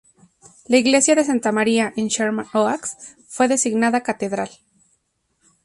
La iglesia de Santa María en Sherman Oaks fue designada catedral.